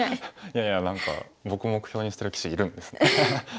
いやいや何か僕目標にしてる棋士いるんですね。